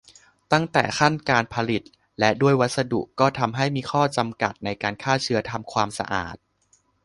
ตั้งแต่ขั้นการผลิต และด้วยวัสดุก็ทำให้มีข้อจำกัดในการฆ่าเชื้อทำความสะอาด